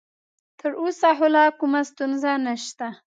تر اوسه خو لا کومه ستونزه نشته.